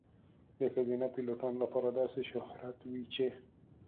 د ښځینه پیلوټانو لپاره داسې شهرت وي چې .